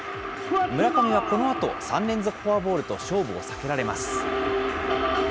村上はこのあと、３連続フォアボールと勝負を避けられます。